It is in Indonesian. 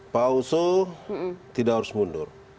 pak oso tidak harus mundur